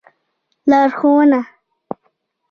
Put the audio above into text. لار ښوونه